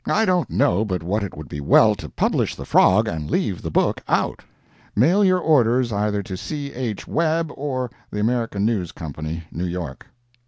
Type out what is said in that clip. I don't know but what it would be well to publish the frog and leave the book out. Mail your orders either to C. H. Webb or the American News Company, New York.